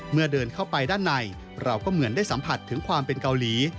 เดินเข้าไปด้านในเราก็เหมือนได้สัมผัสถึงความเป็นเกาหลี